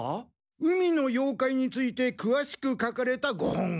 「海の妖怪」についてくわしく書かれたご本を。